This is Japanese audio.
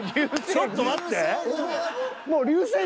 ちょっと待って。